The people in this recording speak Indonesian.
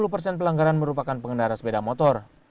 lima puluh persen pelanggaran merupakan pengendara sepeda motor